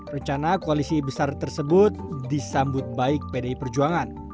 rencana koalisi besar tersebut disambut baik pdi perjuangan